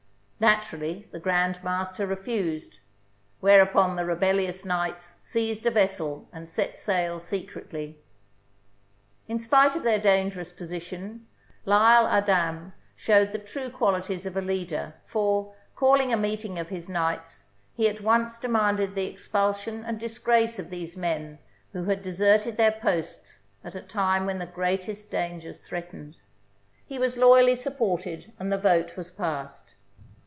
Naturally, the Grand Master refused; whereupon the rebellious knights seized a vessel and set sail secretly. In spite of their dangerous position, L'Isle Adam showed the true qualities of a leader, for, call ing a meeting of his knights, he at once demanded the expulsion and disgrace of these men who had deserted their posts at a time when the greatest dan gers threatened. He was loyally supported, and the vote was passed.